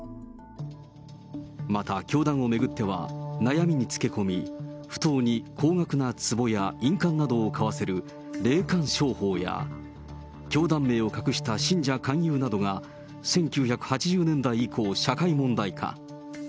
また、教団を巡っては、悩みに付け込み、不当に高額なつぼや印鑑などを買わせる霊感商法や、教団名を隠した信者勧誘などが、１９８０年代以降、社会問題化。